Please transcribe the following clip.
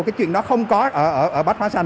cái chuyện đó không có ở bách hóa xanh